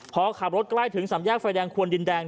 พอขับรถใกล้ถึงสามแยกไฟแดงควนดินแดง